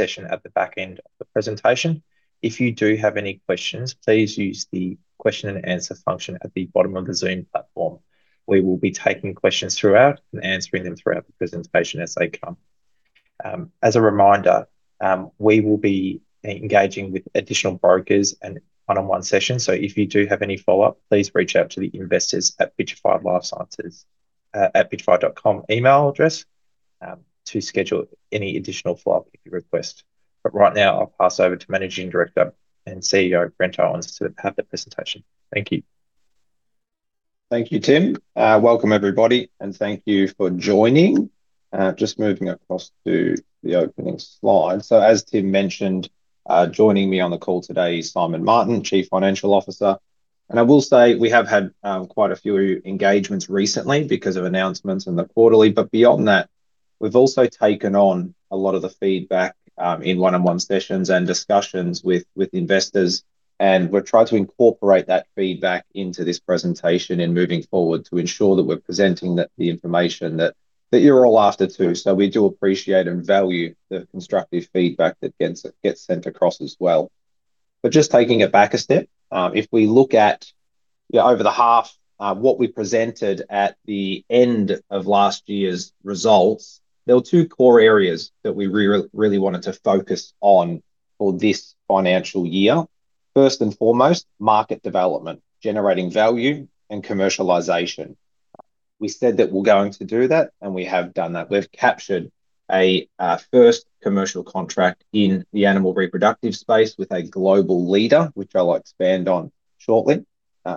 Session at the back end of the presentation. If you do have any questions, please use the question and answer function at the bottom of the Zoom platform. We will be taking questions throughout and answering them throughout the presentation as they come. As a reminder, we will be engaging with additional brokers and one-on-one sessions, so if you do have any follow-up, please reach out to the investors at Pitcher Partners, @pitcher.com email address, to schedule any additional follow-up if you request. But right now, I'll pass over to Managing Director and CEO, Brent Owens, to have the presentation. Thank you. Thank you, Tim. Welcome, everybody, and thank you for joining. Just moving across to the opening slide. So as Tim mentioned, joining me on the call today is Simon Martin, Chief Financial Officer, and I will say we have had quite a few engagements recently because of announcements in the quarterly. But beyond that, we've also taken on a lot of the feedback in one-on-one sessions and discussions with investors, and we've tried to incorporate that feedback into this presentation and moving forward to ensure that we're presenting the information that you're all after to. So we do appreciate and value the constructive feedback that gets sent across as well. But just taking it back a step, if we look at, yeah, over the half, what we presented at the end of last year's results, there were two core areas that we really wanted to focus on for this financial year. First and foremost, market development, generating value and commercialization. We said that we're going to do that, and we have done that. We've captured a first commercial contract in the animal reproductive space with a global leader, which I'll expand on shortly.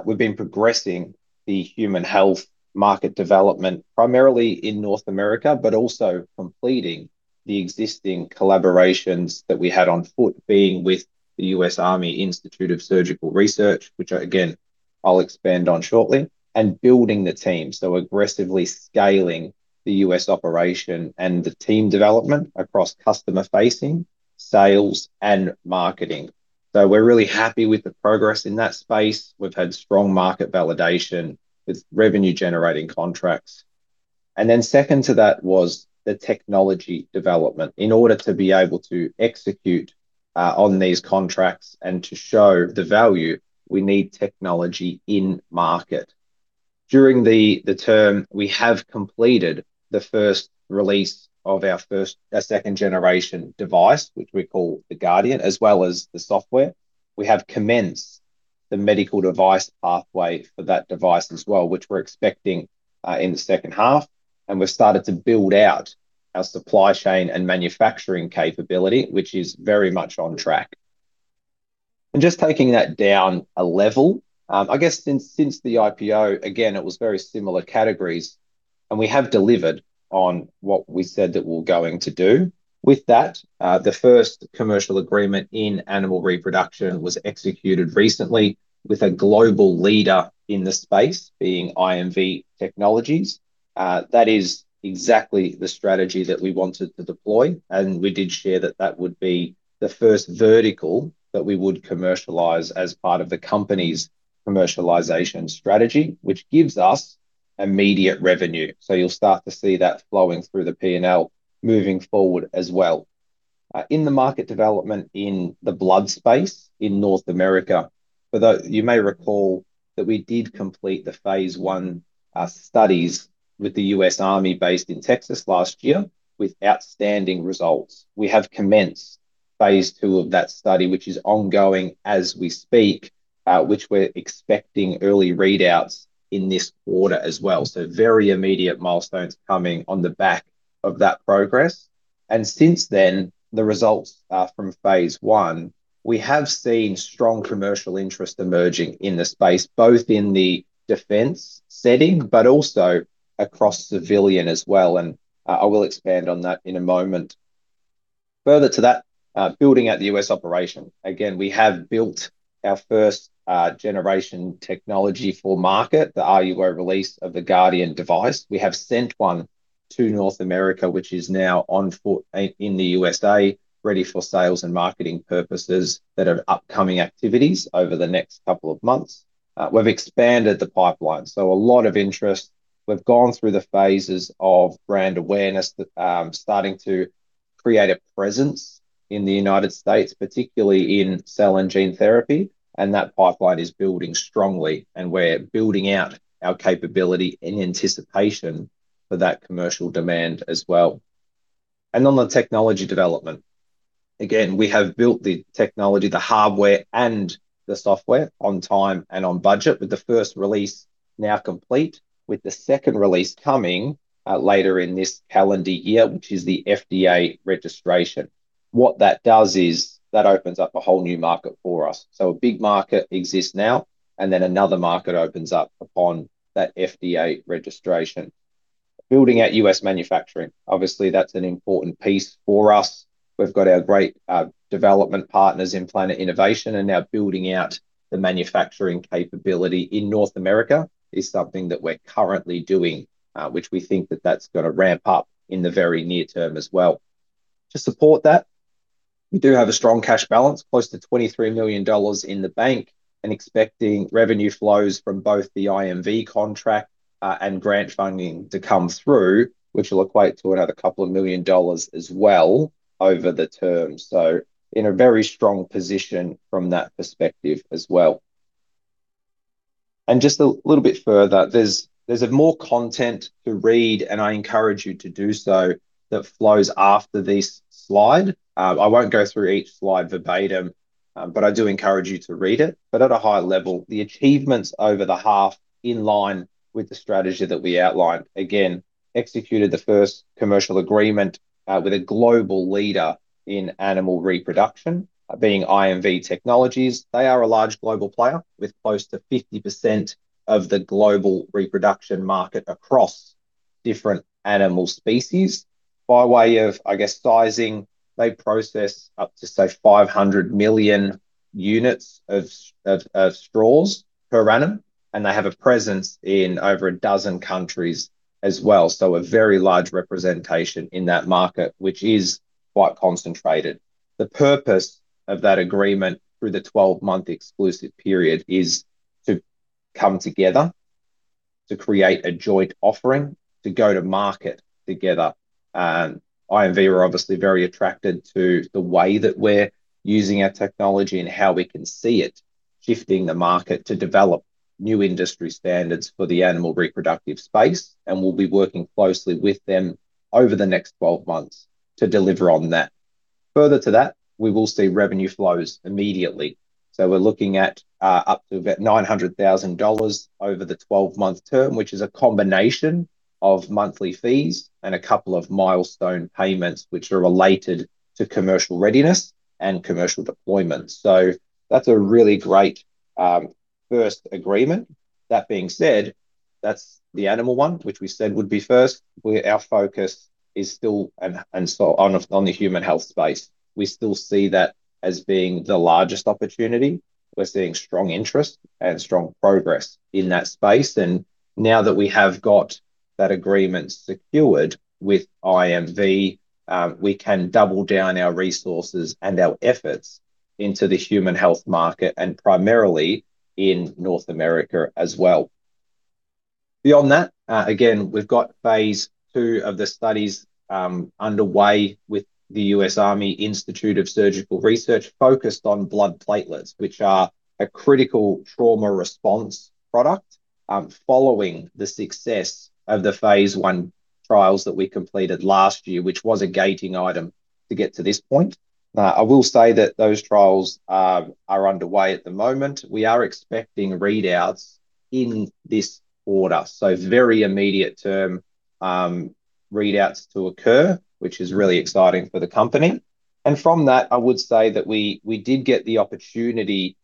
We've been progressing the human health market development, primarily in North America, but also completing the existing collaborations that we had on foot, being with the US Army Institute of Surgical Research, which again, I'll expand on shortly, and building the team, so aggressively scaling the US operation and the team development across customer facing, sales, and marketing. So we're really happy with the progress in that space. We've had strong market validation with revenue-generating contracts. And then second to that was the technology development. In order to be able to execute on these contracts and to show the value, we need technology in market. During the term, we have completed the first release of our first—our second generation device, which we call the Guardian, as well as the software. We have commenced the medical device pathway for that device as well, which we're expecting in the second half, and we've started to build out our supply chain and manufacturing capability, which is very much on track. And just taking that down a level, I guess since the IPO, again, it was very similar categories, and we have delivered on what we said that we're going to do. With that, the first commercial agreement in animal reproduction was executed recently with a global leader in the space, being IMV Technologies. That is exactly the strategy that we wanted to deploy, and we did share that that would be the first vertical that we would commercialize as part of the company's commercialization strategy, which gives us immediate revenue. So you'll start to see that flowing through the P&L moving forward as well. In the market development in the blood space in North America, you may recall that we did complete the phase I studies with the U.S. Army based in Texas last year with outstanding results. We have commenced phase II of that study, which is ongoing as we speak, which we're expecting early readouts in this quarter as well. So very immediate milestones coming on the back of that progress. And since then, the results from phase I, we have seen strong commercial interest emerging in the space, both in the defense setting, but also across civilian as well, and I will expand on that in a moment. Further to that, building out the U.S. operation. Again, we have built our first generation technology for market, the RUO release of the Guardian device. We have sent one to North America, which is now on foot in the U.S.A., ready for sales and marketing purposes that have upcoming activities over the next couple of months. We've expanded the pipeline, so a lot of interest. We've gone through the phases of brand awareness that, starting to create a presence in the United States, particularly in cell and gene therapy, and that pipeline is building strongly, and we're building out our capability in anticipation for that commercial demand as well. On the technology development, again, we have built the technology, the hardware and the software on time and on budget, with the first release now complete, with the second release coming, later in this calendar year, which is the FDA registration. What that does is that opens up a whole new market for us. A big market exists now, and then another market opens up upon that FDA registration. Building out U.S. manufacturing, obviously, that's an important piece for us. We've got our great development partners in Planet Innovation, and now building out the manufacturing capability in North America is something that we're currently doing, which we think that that's gonna ramp up in the very near term as well. To support that, we do have a strong cash balance, close to 23 million dollars in the bank, and expecting revenue flows from both the IMV contract and grant funding to come through, which will equate to another couple of million dollars as well over the term. So in a very strong position from that perspective as well. And just a little bit further, there's more content to read, and I encourage you to do so, that flows after this slide. I won't go through each slide verbatim, but I do encourage you to read it. But at a high level, the achievements over the half in line with the strategy that we outlined, again, executed the first commercial agreement with a global leader in animal reproduction, being IMV Technologies. They are a large global player, with close to 50% of the global reproduction market across different animal species. By way of, I guess, sizing, they process up to, say, 500 million units of straws per annum, and they have a presence in over a dozen countries as well. So a very large representation in that market, which is quite concentrated. The purpose of that agreement through the 12-month exclusive period is to come together to create a joint offering, to go to market together. IMV are obviously very attracted to the way that we're using our technology and how we can see it shifting the market to develop new industry standards for the animal reproductive space, and we'll be working closely with them over the next 12 months to deliver on that. Further to that, we will see revenue flows immediately. So we're looking at up to about 900,000 dollars over the 12-month term, which is a combination of monthly fees and a couple of milestone payments, which are related to commercial readiness and commercial deployment. So that's a really great first agreement. That being said, that's the animal one, which we said would be first. Our focus is still on the human health space. We still see that as being the largest opportunity. We're seeing strong interest and strong progress in that space, and now that we have got that agreement secured with IMV, we can double down our resources and our efforts into the human health market, and primarily in North America as well. Beyond that, again, we've got phase II of the studies underway with the U.S. Army Institute of Surgical Research, focused on blood platelets, which are a critical trauma response product, following the success of the phase I trials that we completed last year, which was a gating item to get to this point. I will say that those trials are underway at the moment. We are expecting readouts in this quarter, so very immediate term readouts to occur, which is really exciting for the company. From that, I would say that we did get the opportunity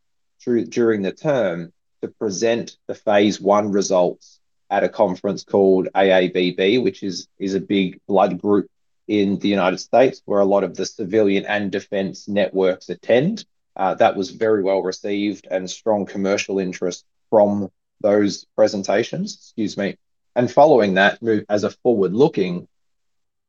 during the term to present the phase I results at a conference called AABB, which is a big blood group in the United States, where a lot of the civilian and defense networks attend. That was very well received and strong commercial interest from those presentations. Excuse me. Following that, as a forward looking,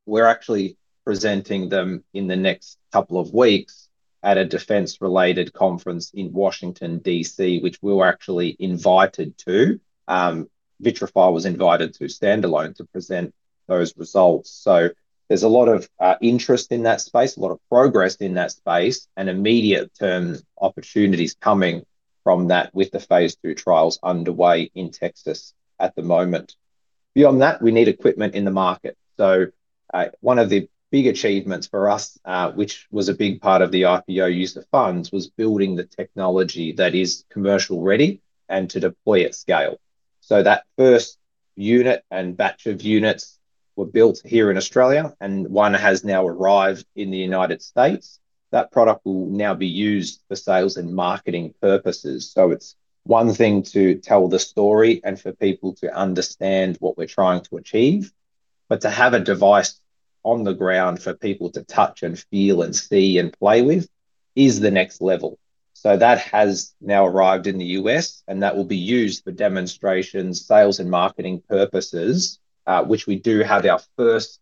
we're actually presenting them in the next couple of weeks at a defense-related conference in Washington, D.C., which we were actually invited to. Vitrafy was invited to standalone to present those results. So there's a lot of interest in that space, a lot of progress in that space, and immediate term opportunities coming from that with the phase II trials underway in Texas at the moment. Beyond that, we need equipment in the market. So, one of the big achievements for us, which was a big part of the IPO use of funds, was building the technology that is commercial ready and to deploy at scale. So that first unit and batch of units were built here in Australia, and one has now arrived in the United States. That product will now be used for sales and marketing purposes. So it's one thing to tell the story and for people to understand what we're trying to achieve, but to have a device on the ground for people to touch and feel and see and play with is the next level. So that has now arrived in the U.S., and that will be used for demonstrations, sales, and marketing purposes, which we do have our first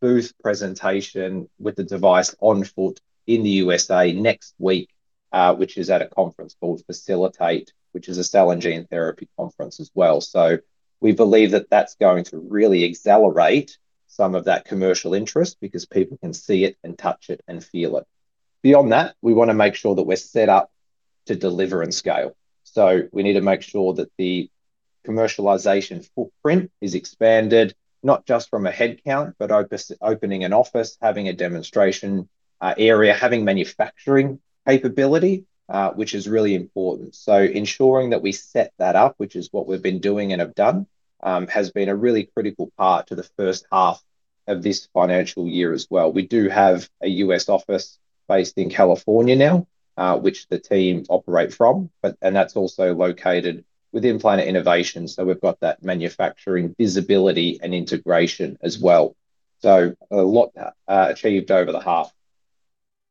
booth presentation with the device on foot in the U.S.A. next week, which is at a conference called Phacilitate, which is a cell and gene therapy conference as well. So we believe that that's going to really accelerate some of that commercial interest because people can see it and touch it and feel it. Beyond that, we want to make sure that we're set up to deliver and scale. So we need to make sure that the commercialization footprint is expanded, not just from a headcount, but opening an office, having a demonstration area, having manufacturing capability, which is really important. So ensuring that we set that up, which is what we've been doing and have done, has been a really critical part to the first half of this financial year as well. We do have a U.S. office based in California now, which the team operate from. And that's also located within Planet Innovation, so we've got that manufacturing visibility and integration as well. So a lot achieved over the half.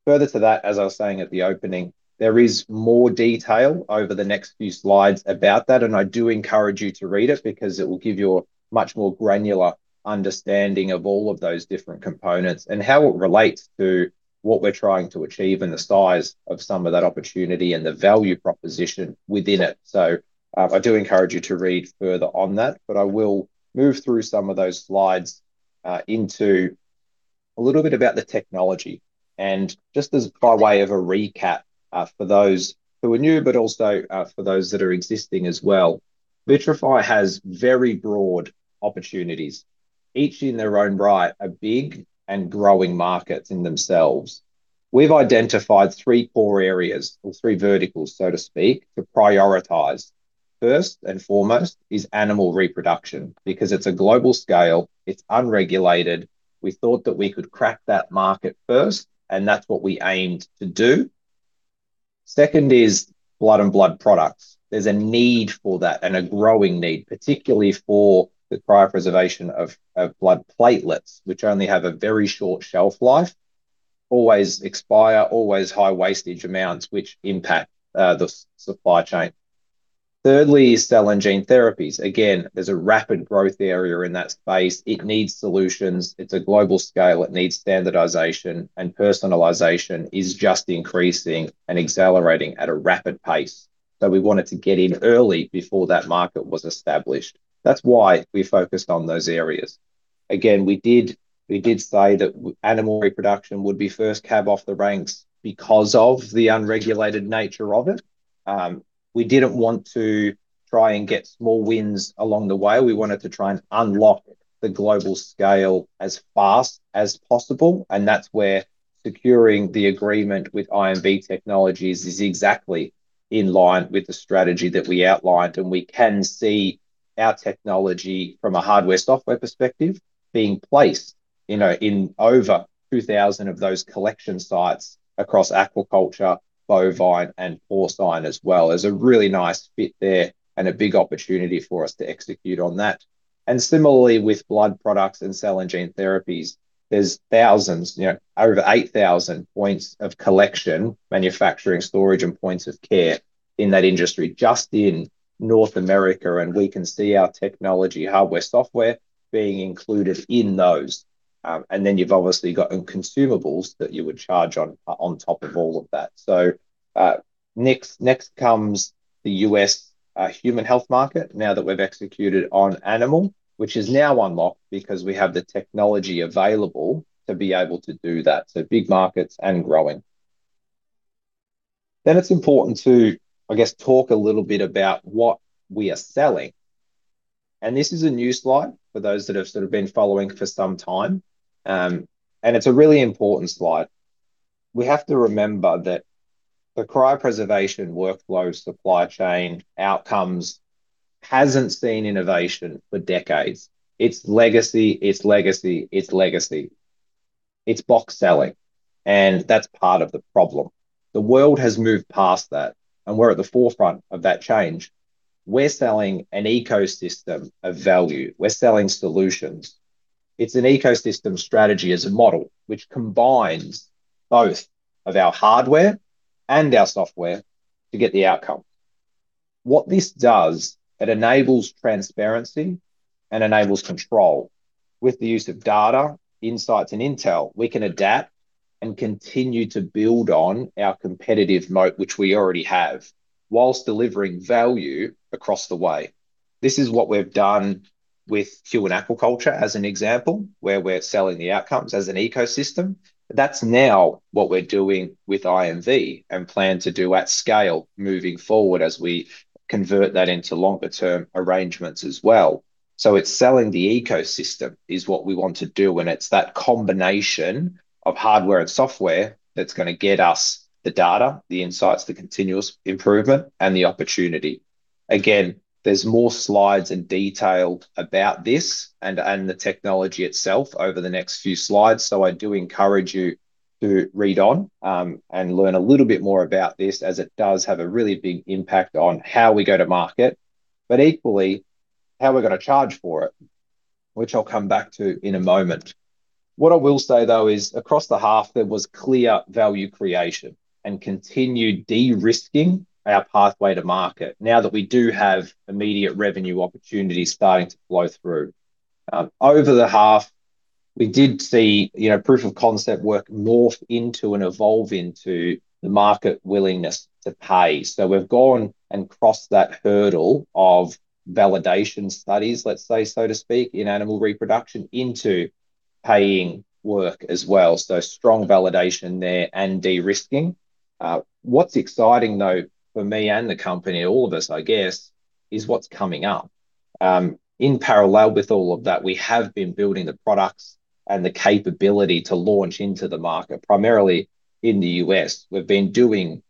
Further to that, as I was saying at the opening, there is more detail over the next few slides about that, and I do encourage you to read it because it will give you a much more granular understanding of all of those different components and how it relates to what we're trying to achieve and the size of some of that opportunity and the value proposition within it. So, I do encourage you to read further on that, but I will move through some of those slides. A little bit about the technology, and just as by way of a recap, for those who are new, but also, for those that are existing as well. Vitrafy has very broad opportunities, each in their own right, are big and growing markets in themselves. We've identified three core areas, or three verticals, so to speak, to prioritize. First and foremost is animal reproduction, because it's a global scale, it's unregulated. We thought that we could crack that market first, and that's what we aimed to do. Second is blood and blood products. There's a need for that, and a growing need, particularly for the cryopreservation of blood platelets, which only have a very short shelf life, always expire, always high wastage amounts, which impact the supply chain. Thirdly, is cell and gene therapies. Again, there's a rapid growth area in that space. It needs solutions. It's a global scale. It needs standardization, and personalization is just increasing and accelerating at a rapid pace. So we wanted to get in early before that market was established. That's why we focused on those areas. Again, we did, we did say that animal reproduction would be first cab off the ranks because of the unregulated nature of it. We didn't want to try and get small wins along the way. We wanted to try and unlock the global scale as fast as possible, and that's where securing the agreement with IMV Technologies is exactly in line with the strategy that we outlined, and we can see our technology from a hardware/software perspective being placed, you know, in over 2,000 of those collection sites across aquaculture, bovine, and porcine as well. There's a really nice fit there and a big opportunity for us to execute on that. And similarly, with blood products and cell and gene therapies, there's thousands, you know, over 8,000 points of collection, manufacturing, storage, and points of care in that industry, just in North America, and we can see our technology, hardware, software, being included in those. And then you've obviously got consumables that you would charge on, on top of all of that. So, next comes the U.S. human health market, now that we've executed on animal, which is now unlocked because we have the technology available to be able to do that. So big markets and growing. Then it's important to, I guess, talk a little bit about what we are selling. And this is a new slide for those that have sort of been following for some time, and it's a really important slide. We have to remember that the cryopreservation workflow supply chain outcomes hasn't seen innovation for decades. It's legacy, it's legacy, it's legacy. It's box selling, and that's part of the problem. The world has moved past that, and we're at the forefront of that change. We're selling an ecosystem of value. We're selling solutions. It's an ecosystem strategy as a model, which combines both of our hardware and our software to get the outcome. What this does, it enables transparency and enables control. With the use of data, insights, and intel, we can adapt and continue to build on our competitive moat, which we already have, while delivering value across the way. This is what we've done with Huon Aquaculture, as an example, where we're selling the outcomes as an ecosystem. That's now what we're doing with IMV, and plan to do at scale moving forward as we convert that into longer term arrangements as well. So it's selling the ecosystem is what we want to do, and it's that combination of hardware and software that's gonna get us the data, the insights, the continuous improvement, and the opportunity. Again, there's more slides and detail about this and, and the technology itself over the next few slides, so I do encourage you to read on, and learn a little bit more about this, as it does have a really big impact on how we go to market, but equally, how we're gonna charge for it, which I'll come back to in a moment. What I will say, though, is across the half, there was clear value creation and continued de-risking our pathway to market, now that we do have immediate revenue opportunities starting to flow through. Over the half, we did see, you know, proof of concept work morph into and evolve into the market willingness to pay. So we've gone and crossed that hurdle of validation studies, let's say, so to speak, in animal reproduction, into paying work as well. So strong validation there and de-risking. What's exciting, though, for me and the company, all of us, I guess, is what's coming up. In parallel with all of that, we have been building the products and the capability to launch into the market, primarily in the U.S. We've been doing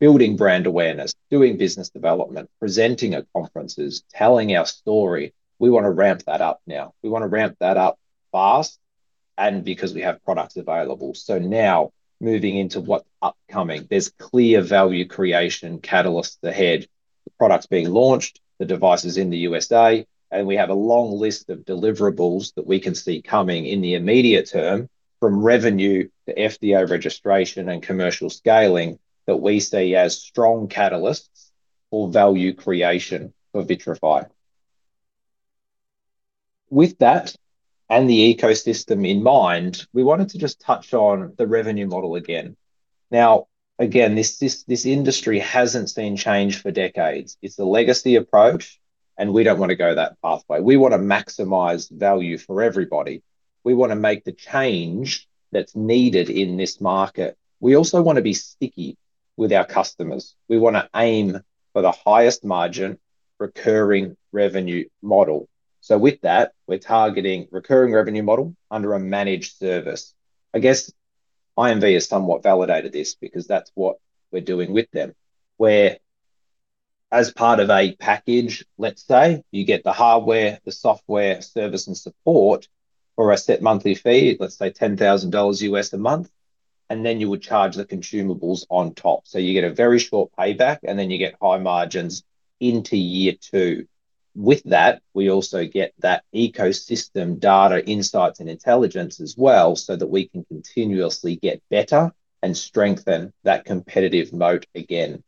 building brand awareness, doing business development, presenting at conferences, telling our story. We want to ramp that up now. We want to ramp that up fast, and because we have products available. So now, moving into what's upcoming, there's clear value creation catalysts ahead. The product's being launched, the device is in the U.S.A., and we have a long list of deliverables that we can see coming in the immediate term, from revenue to FDA registration and commercial scaling, that we see as strong catalysts for value creation for Vitrafy. With that and the ecosystem in mind, we wanted to just touch on the revenue model again. Now, again, this, this, this industry hasn't seen change for decades. It's a legacy approach, and we don't want to go that pathway. We want to maximize value for everybody. We want to make the change that's needed in this market. We also want to be sticky with our customers. We want to aim for the highest margin recurring revenue model. So with that, we're targeting recurring revenue model under a managed service. I guess, IMV has somewhat validated this, because that's what we're doing with them, where as part of a package, let's say, you get the hardware, the software, service, and support for a set monthly fee, let's say $10,000 a month, and then you would charge the consumables on top. So you get a very short payback, and then you get high margins into year two. With that, we also get that ecosystem data insights and intelligence as well, so that we can continuously get better and strengthen that competitive moat again.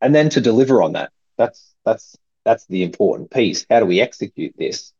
And then to deliver on that, that's, that's, that's the important piece. How do we execute this?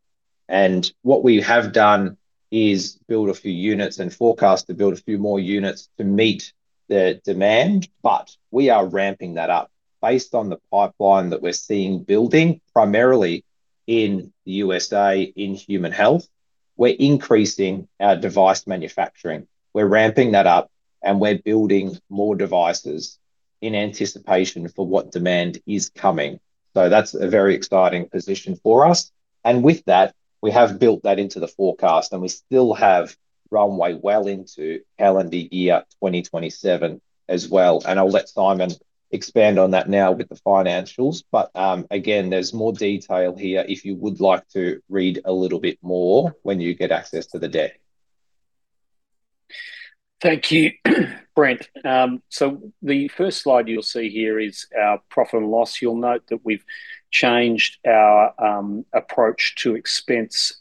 And what we have done is build a few units and forecast to build a few more units to meet the demand, but we are ramping that up. Based on the pipeline that we're seeing building, primarily in the U.S.A. in human health, we're increasing our device manufacturing. We're ramping that up, and we're building more devices in anticipation for what demand is coming. So that's a very exciting position for us, and with that, we have built that into the forecast, and we still have runway well into calendar year 2027 as well. And I'll let Simon expand on that now with the financials. But, again, there's more detail here if you would like to read a little bit more when you get access to the deck. Thank you, Brent. So the first slide you'll see here is our profit and loss. You'll note that we've changed our approach to expense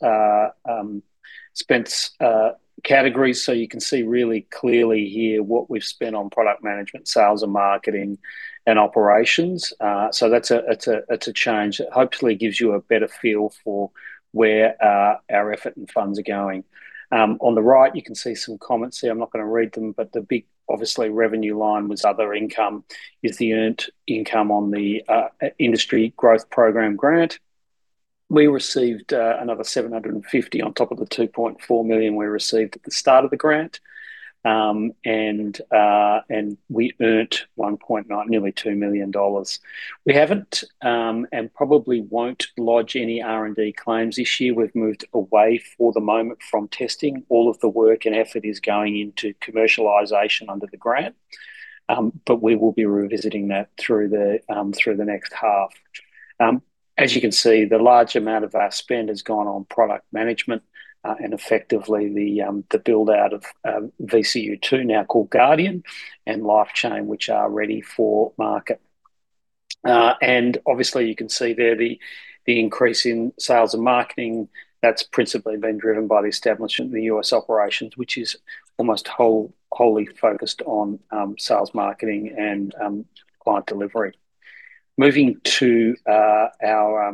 categories. So you can see really clearly here what we've spent on product management, sales and marketing, and operations. So that's a change that hopefully gives you a better feel for where our effort and funds are going. On the right, you can see some comments here. I'm not gonna read them, but the big, obviously, revenue line was other income, is the earned income on the Industry Growth Program grant. We received another 750 on top of the 2.4 million we received at the start of the grant. And we earned $1.9million, nearly $2 million. We haven't, and probably won't lodge any R&D claims this year. We've moved away for the moment from testing. All of the work and effort is going into commercialization under the grant. But we will be revisiting that through the next half. As you can see, the large amount of our spend has gone on product management, and effectively, the build-out of VCU2, now called Guardian, and LifeChain, which are ready for market. And obviously, you can see there the increase in sales and marketing. That's principally been driven by the establishment in the U.S. operations, which is almost wholly focused on sales, marketing, and client delivery. Moving to our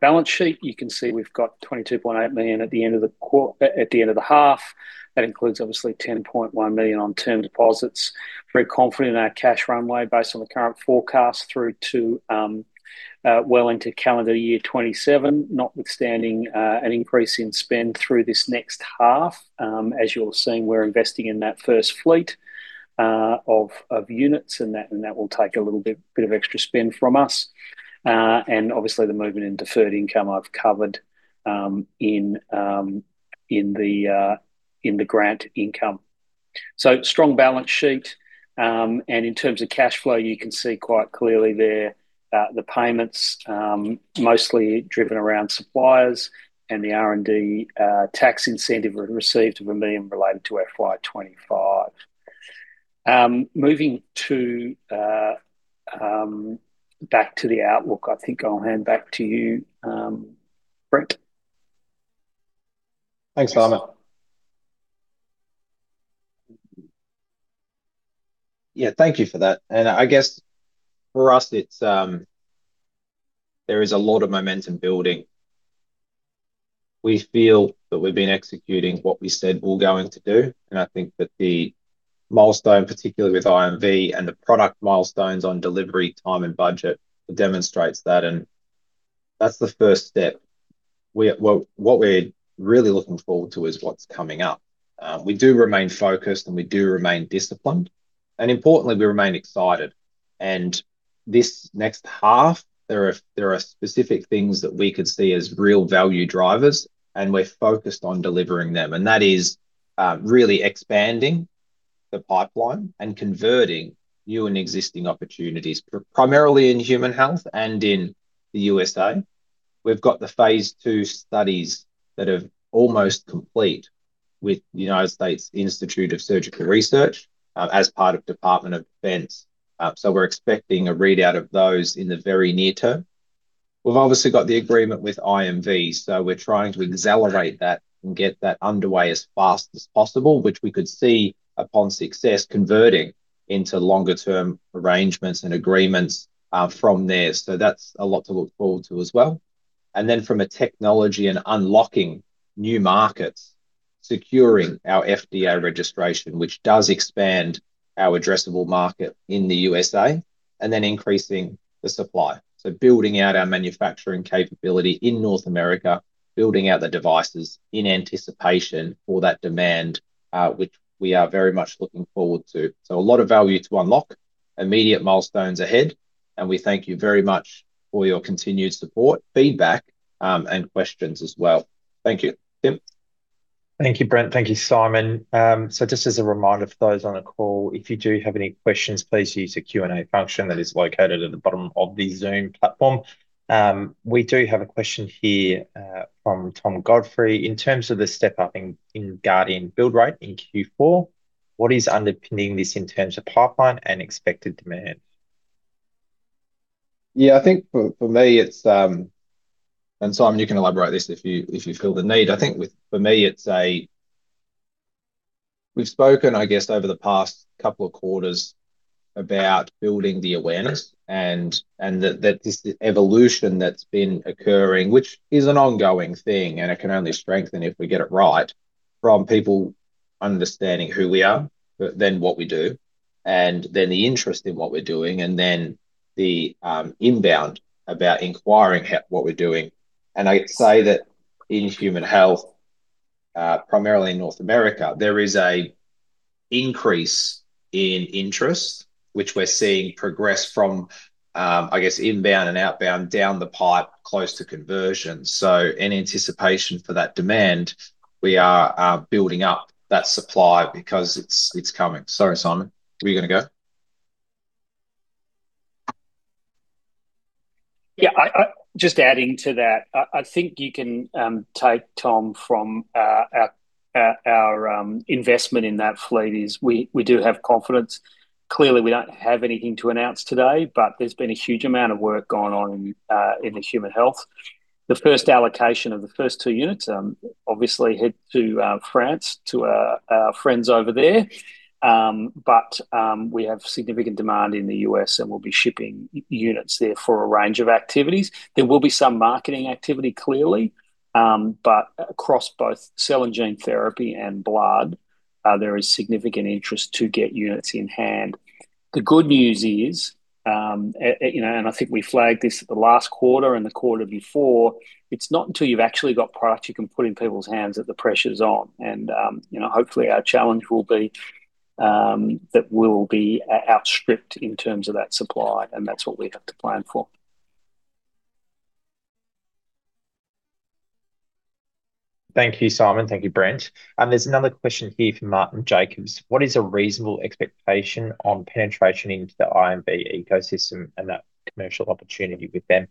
balance sheet, you can see we've got 22.8 million at the end of the quar... At the end of the half. That includes, obviously, 10.1 million on term deposits. Very confident in our cash runway, based on the current forecast through to well into calendar year 2027, notwithstanding an increase in spend through this next half. As you're seeing, we're investing in that first fleet of units, and that will take a little bit of extra spend from us. And obviously, the movement in deferred income I've covered in the grant income. So strong balance sheet, and in terms of cash flow, you can see quite clearly there the payments, mostly driven around suppliers and the R&D tax incentive we received of 1 million related to FY 2025. Back to the outlook, I think I'll hand back to you, Brent. Thanks, Simon. Yeah, thank you for that, and I guess for us, it's there is a lot of momentum building. We feel that we've been executing what we said we're going to do, and I think that the milestone, particularly with IMV and the product milestones on delivery, time, and budget, demonstrates that, and that's the first step. What we're really looking forward to is what's coming up. We do remain focused, and we do remain disciplined, and importantly, we remain excited. And this next half, there are specific things that we could see as real value drivers, and we're focused on delivering them, and that is really expanding the pipeline and converting new and existing opportunities, primarily in human health and in the U.S.A. We've got the Phase II studies that are almost complete with the U.S. Army Institute of Surgical Research, as part of Department of Defense. So we're expecting a readout of those in the very near term. We've obviously got the agreement with IMV, so we're trying to accelerate that and get that underway as fast as possible, which we could see, upon success, converting into longer-term arrangements and agreements, from there. So that's a lot to look forward to as well, and then from a technology and unlocking new markets, securing our FDA registration, which does expand our addressable market in the U.S.A., and then increasing the supply. So building out our manufacturing capability in North America, building out the devices in anticipation for that demand, which we are very much looking forward to. So a lot of value to unlock, immediate milestones ahead, and we thank you very much for your continued support, feedback, and questions as well. Thank you. Tim? Thank you, Brent. Thank you, Simon. So just as a reminder for those on the call, if you do have any questions, please use the Q&A function that is located at the bottom of the Zoom platform. We do have a question here from Tom Godfrey: In terms of the step-up in Guardian build rate in Q4, what is underpinning this in terms of pipeline and expected demand? Yeah, I think for me, it's. And Simon, you can elaborate this if you feel the need. I think with, for me, it's we've spoken, I guess, over the past couple of quarters about building the awareness, and that this evolution that's been occurring, which is an ongoing thing, and it can only strengthen if we get it right, from people understanding who we are, but then what we do, and then the interest in what we're doing, and then the inbound about inquiring what we're doing. And I'd say that in human health, primarily in North America, there is an increase in interest, which we're seeing progress from, I guess, inbound and outbound down the pipe, close to conversion. So in anticipation for that demand, we are building up that supply because it's coming. Sorry, Simon, were you gonna go? Yeah, just adding to that, I think you can take Tom from our investment in that fleet is we do have confidence. Clearly, we don't have anything to announce today, but there's been a huge amount of work going on in the human health. The first allocation of the first two units obviously head to France, to our friends over there. But we have significant demand in the U.S., and we'll be shipping units there for a range of activities. There will be some marketing activity, clearly. But across both cell and gene therapy and blood, there is significant interest to get units in hand. The good news is, and I think we flagged this at the last quarter and the quarter before, it's not until you've actually got products you can put in people's hands that the pressure's on. And, you know, hopefully our challenge will be that we'll be outstripped in terms of that supply, and that's what we have to plan for. Thank you, Simon. Thank you, Brent. And there's another question here from Martin Jacobs: What is a reasonable expectation on penetration into the IMV ecosystem and that commercial opportunity with them?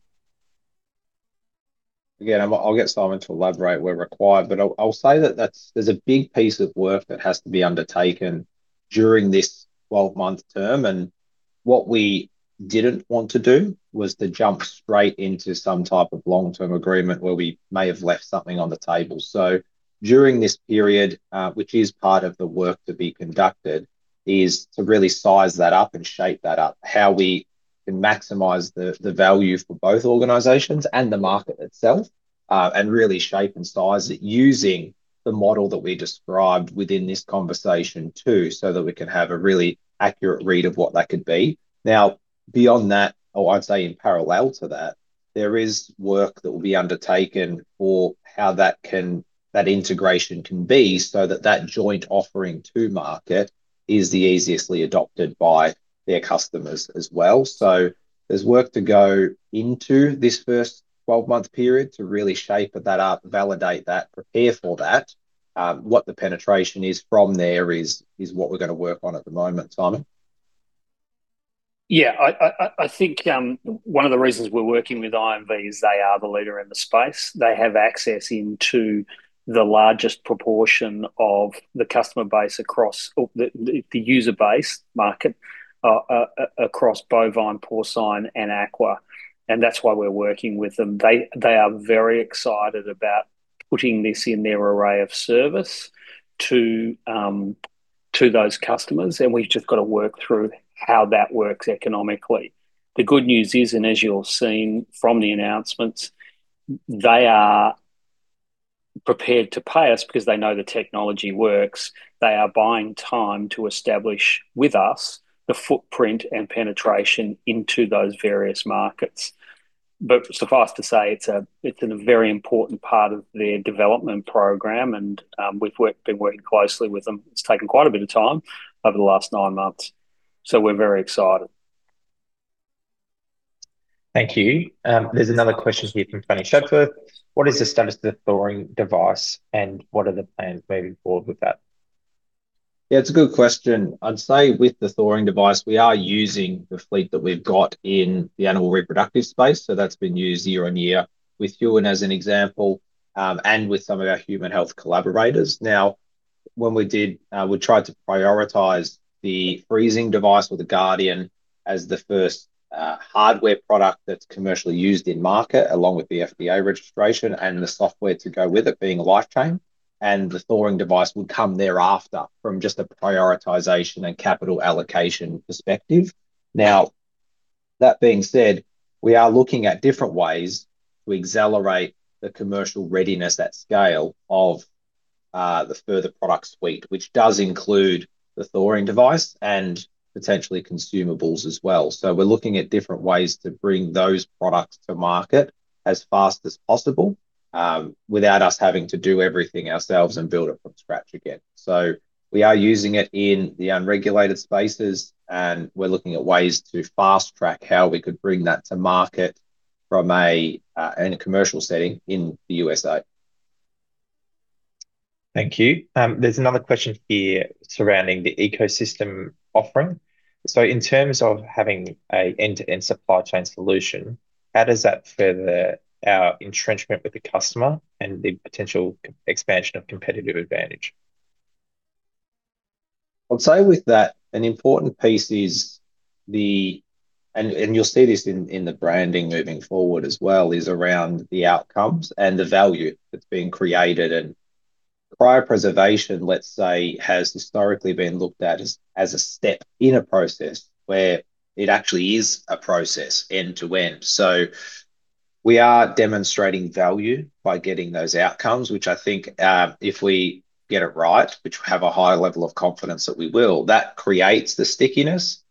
Again, I'll, I'll get Simon to elaborate where required, but I'll, I'll say that that's there's a big piece of work that has to be undertaken during this 12-month term, and what we didn't want to do was to jump straight into some type of long-term agreement where we may have left something on the table. So during this period, which is part of the work to be conducted, is to really size that up and shape that up, how we can maximize the, the value for both organizations and the market itself. And really shape and size it using the model that we described within this conversation, too, so that we can have a really accurate read of what that could be. Now, beyond that, or I'd say in parallel to that, there is work that will be undertaken for how that integration can be, so that that joint offering to market is the easily adopted by their customers as well. So there's work to go into this first 12-month period to really shape that up, validate that, prepare for that. What the penetration is from there is what we're gonna work on at the moment. Simon? Yeah, I think one of the reasons we're working with IMV is they are the leader in the space. They have access into the largest proportion of the customer base across or the user base market across bovine, porcine, and aqua, and that's why we're working with them. They are very excited about putting this in their array of service to those customers, and we've just got to work through how that works economically. The good news is, and as you've seen from the announcements, they are prepared to pay us because they know the technology works. They are buying time to establish, with us, the footprint and penetration into those various markets. But suffice to say, it's a very important part of their development program, and we've been working closely with them. It's taken quite a bit of time over the last nine months, so we're very excited. Thank you. There's another question here from Danny Shackford: What is the status of the thawing device, and what are the plans moving forward with that? Yeah, it's a good question. I'd say with the thawing device, we are using the fleet that we've got in the animal reproductive space, so that's been used year on year with Huon, as an example, and with some of our human health collaborators. Now, when we tried to prioritize the freezing device or the Guardian as the first hardware product that's commercially used in market, along with the FDA registration and the software to go with it being LifeChain, and the thawing device would come thereafter from just a prioritization and capital allocation perspective. Now, that being said, we are looking at different ways to accelerate the commercial readiness at scale of the further product suite, which does include the thawing device and potentially consumables as well. So we're looking at different ways to bring those products to market as fast as possible, without us having to do everything ourselves and build it from scratch again. So we are using it in the unregulated spaces, and we're looking at ways to fast-track how we could bring that to market from a, in a commercial setting in the U.S.A. Thank you. There's another question here surrounding the Ecosystem offering. So in terms of having a end-to-end supply chain solution, how does that further our entrenchment with the customer and the potential com-- expansion of competitive advantage? I'd say with that, an important piece is, and you'll see this in the branding moving forward as well, is around the outcomes and the value that's being created, and cryopreservation, let's say, has historically been looked at as a step in a process where it actually is a process end to end. So we are demonstrating value by getting those outcomes, which I think, if we get it right, which we have a high level of confidence that we will, that creates the stickiness.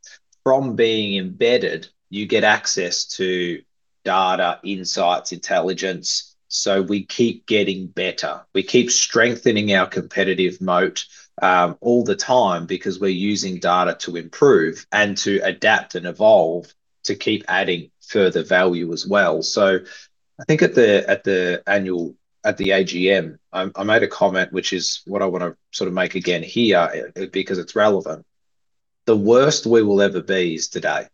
From being embedded, you get access to data, insights, intelligence, so we keep getting better. We keep strengthening our competitive moat all the time because we're using data to improve and to adapt and evolve, to keep adding further value as well. So I think at the annual AGM, I made a comment, which is what I want to sort of make again here because it's relevant. The worst we will ever be is today,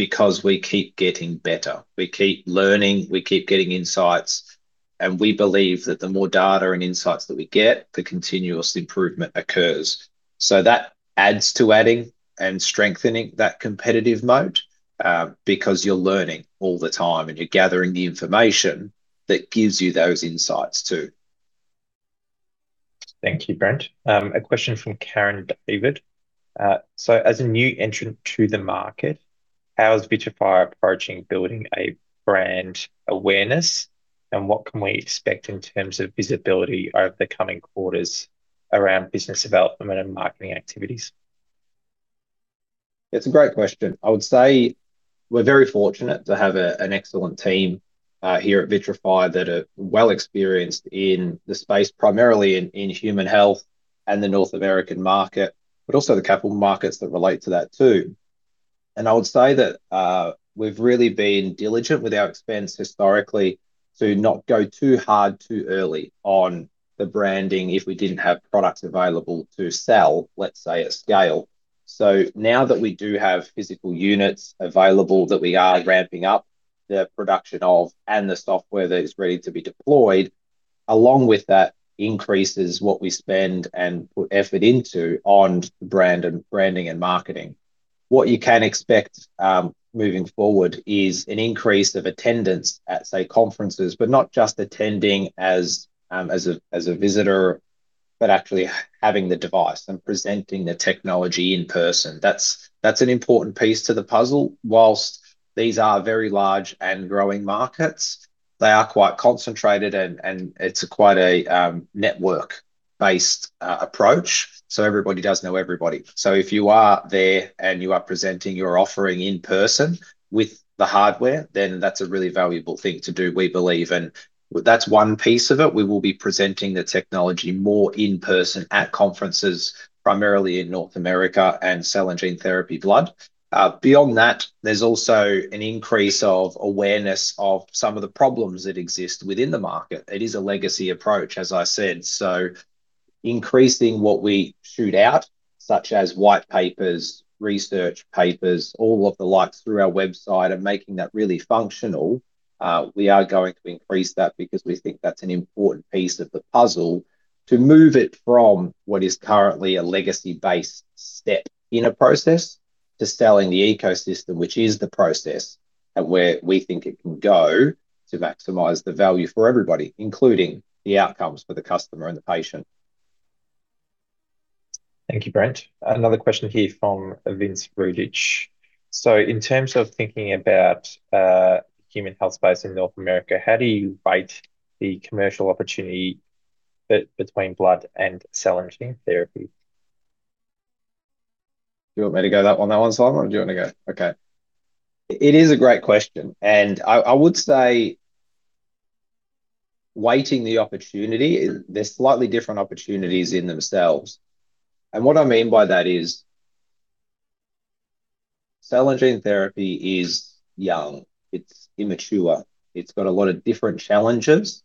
because we keep getting better, we keep learning, we keep getting insights, and we believe that the more data and insights that we get, the continuous improvement occurs. So that adds to adding and strengthening that competitive moat, because you're learning all the time, and you're gathering the information that gives you those insights, too. Thank you, Brent. A question from Karen David. So as a new entrant to the market, how is Vitrafy approaching building a brand awareness, and what can we expect in terms of visibility over the coming quarters around business development and marketing activities? It's a great question. I would say we're very fortunate to have a, an excellent team here at Vitrafy that are well experienced in the space, primarily in human health and the North American market, but also the capital markets that relate to that too. I would say that, we've really been diligent with our expense historically to not go too hard, too early on the branding if we didn't have products available to sell, let's say, at scale. So now that we do have physical units available, that we are ramping up the production of and the software that is ready to be deployed, along with that increases what we spend and put effort into on the brand and branding and marketing. What you can expect, moving forward, is an increase of attendance at, say, conferences, but not just attending as, as a visitor, but actually having the device and presenting the technology in person. That's an important piece to the puzzle. While these are very large and growing markets, they are quite concentrated, and it's quite a network-based approach, so everybody does know everybody. So if you are there and you are presenting your offering in person with the hardware, then that's a really valuable thing to do, we believe, and that's one piece of it. We will be presenting the technology more in person at conferences, primarily in North America and cell and gene therapy blood. Beyond that, there's also an increase of awareness of some of the problems that exist within the market. It is a legacy approach, as I said, so increasing what we shoot out, such as white papers, research papers, all of the likes through our website and making that really functional, we are going to increase that because we think that's an important piece of the puzzle to move it from what is currently a legacy-based step in a process to selling the ecosystem, which is the process and where we think it can go to maximize the value for everybody, including the outcomes for the customer and the patient. Thank you, Brent. Another question here from Vince Rudich. So in terms of thinking about, human health space in North America, how do you rate the commercial opportunity between blood and cell and gene therapy? Do you want me to go that one, that one, Simon, or do you want to go? Okay. It is a great question, and I, I would say weighting the opportunity, they're slightly different opportunities in themselves. And what I mean by that is, cell and gene therapy is young, it's immature, it's got a lot of different challenges,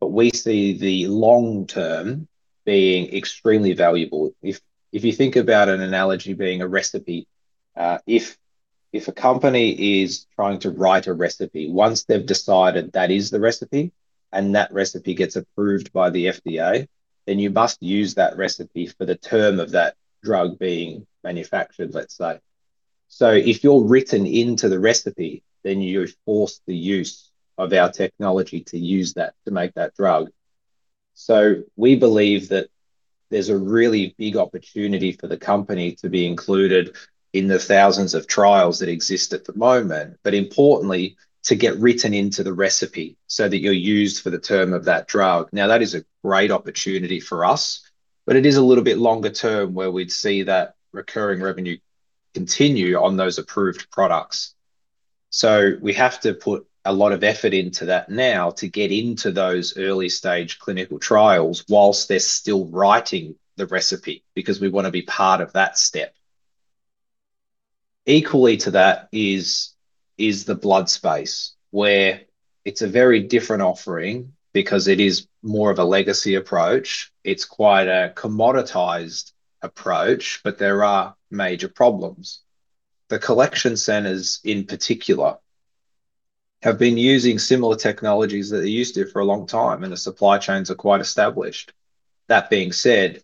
but we see the long term being extremely valuable. If, if you think about an analogy being a recipe, if, if a company is trying to write a recipe, once they've decided that is the recipe and that recipe gets approved by the FDA, then you must use that recipe for the term of that drug being manufactured, let's say. So if you're written into the recipe, then you force the use of our technology to use that, to make that drug. So we believe that there's a really big opportunity for the company to be included in the thousands of trials that exist at the moment, but importantly, to get written into the recipe so that you're used for the term of that drug. Now, that is a great opportunity for us, but it is a little bit longer term where we'd see that recurring revenue continue on those approved products. So we have to put a lot of effort into that now to get into those early stage clinical trials whilst they're still writing the recipe, because we want to be part of that step. Equally to that is the blood space, where it's a very different offering because it is more of a legacy approach. It's quite a commoditized approach, but there are major problems. The collection centers, in particular, have been using similar technologies that they used to for a long time, and the supply chains are quite established. That being said,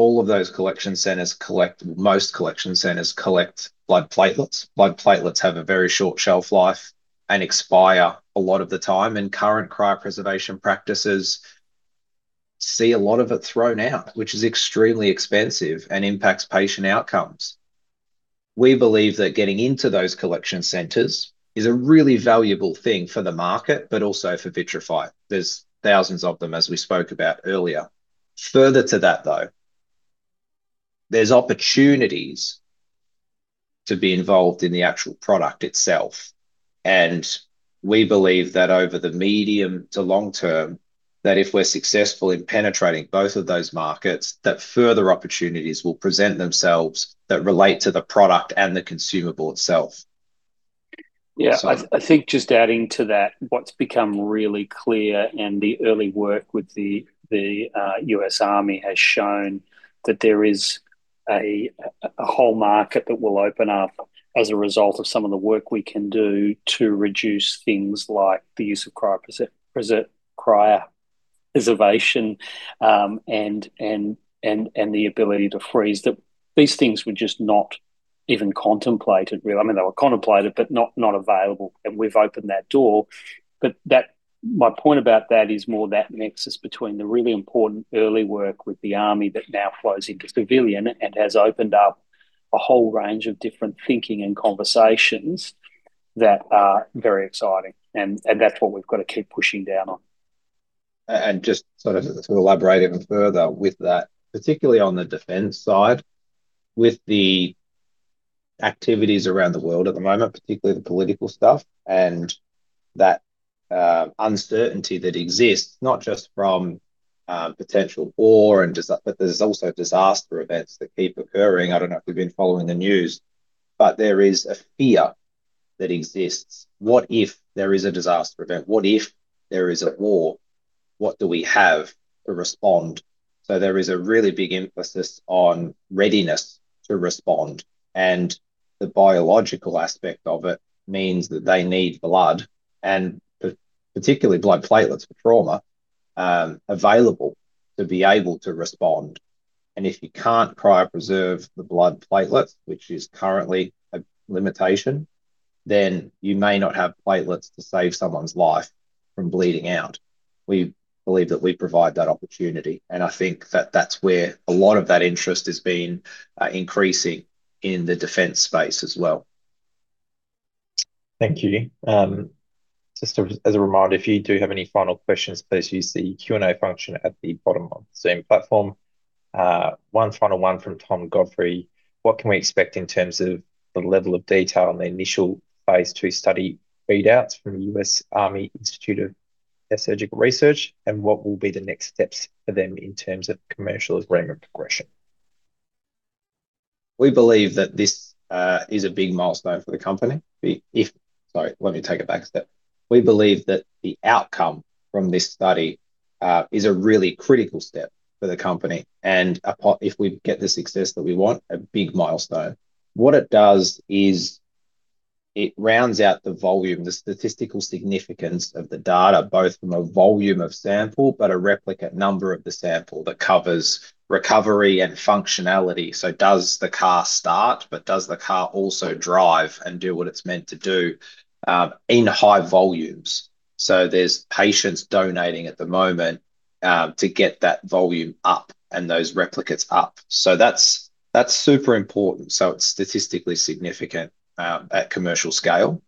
all of those collection centers, most collection centers collect blood platelets. Blood platelets have a very short shelf life and expire a lot of the time, and current cryopreservation practices see a lot of it thrown out, which is extremely expensive and impacts patient outcomes. We believe that getting into those collection centers is a really valuable thing for the market, but also for Vitrafy. There's thousands of them, as we spoke about earlier. Further to that, though, there's opportunities to be involved in the actual product itself, and we believe that over the medium to long term, that if we're successful in penetrating both of those markets, that further opportunities will present themselves that relate to the product and the consumable itself. Yeah, I think just adding to that, what's become really clear in the early work with the U.S. Army has shown that there is a whole market that will open up as a result of some of the work we can do to reduce things like the use of cryopreservation, and the ability to freeze. That these things were just not even contemplated, really. I mean, they were contemplated, but not available, and we've opened that door. But that—my point about that is more that nexus between the really important early work with the Army that now flows into civilian and has opened up a whole range of different thinking and conversations that are very exciting, and that's what we've got to keep pushing down on. And just sort of to elaborate even further with that, particularly on the defense side, with the activities around the world at the moment, particularly the political stuff, and that uncertainty that exists, not just from potential war, but there's also disaster events that keep occurring. I don't know if you've been following the news, but there is a fear that exists. What if there is a disaster event? What if there is a war? What do we have to respond? So there is a really big emphasis on readiness to respond, and the biological aspect of it means that they need blood, and particularly blood platelets for trauma, available to be able to respond. And if you can't cryopreserve the blood platelets, which is currently a limitation, then you may not have platelets to save someone's life from bleeding out. We believe that we provide that opportunity, and I think that that's where a lot of that interest has been, increasing in the defense space as well. Thank you. Just as a reminder, if you do have any final questions, please use the Q&A function at the bottom of the Zoom platform. One final one from Tom Godfrey: "What can we expect in terms of the level of detail in the initial phase II study readouts from the U.S. Army Institute of Surgical Research, and what will be the next steps for them in terms of commercial agreement progression? We believe that this is a big milestone for the company. Sorry, let me take it back a step. We believe that the outcome from this study is a really critical step for the company, and if we get the success that we want, a big milestone. What it does is, it rounds out the volume, the statistical significance of the data, both from a volume of sample, but a replicate number of the sample that covers recovery and functionality. So does the car start, but does the car also drive and do what it's meant to do in high volumes? So there's patients donating at the moment to get that volume up and those replicates up. So that's super important, so it's statistically significant at commercial scale.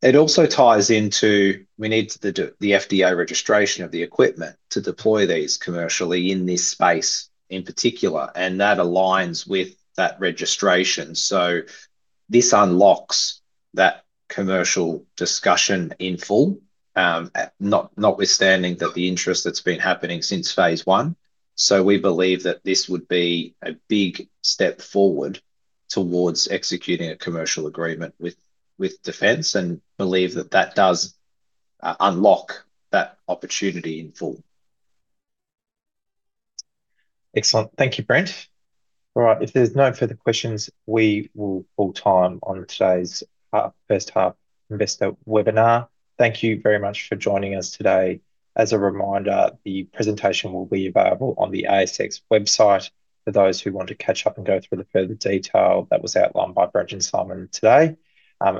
It also ties into we need the FDA registration of the equipment to deploy these commercially in this space, in particular, and that aligns with that registration. So this unlocks that commercial discussion in full, not notwithstanding that the interest that's been happening since phase I. So we believe that this would be a big step forward towards executing a commercial agreement with, with defense, and believe that that does unlock that opportunity in full. Excellent. Thank you, Brent. All right, if there's no further questions, we will call time on today's first half investor webinar. Thank you very much for joining us today. As a reminder, the presentation will be available on the ASX website for those who want to catch up and go through the further detail that was outlined by Brent and Simon today.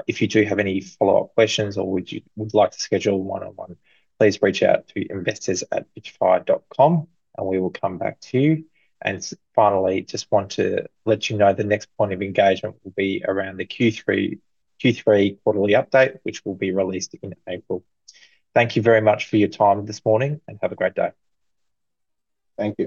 If you do have any follow-up questions or would like to schedule one-on-one, please reach out to investors@Vitrafy.com, and we will come back to you. And finally, just want to let you know the next point of engagement will be around the Q3, Q3 quarterly update, which will be released in April. Thank you very much for your time this morning, and have a great day. Thank you.